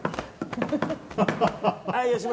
はい、吉村。